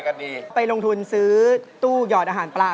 เอาดีเป็นหรือเปล่าเป็นหรือเปล่า